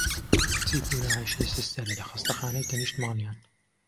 کچی پوورە عەیشێ سستەرە لە خەستانەی تەنیشت ماڵیان.